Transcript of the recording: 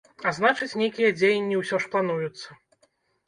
А значыць, нейкія дзеянні ўсё ж плануюцца.